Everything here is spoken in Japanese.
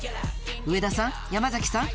上田さん山崎さん